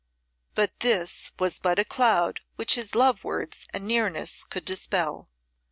But this was but a cloud which his love words and nearness could dispel.